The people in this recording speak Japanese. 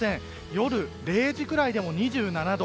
夜０時くらいでも２７度。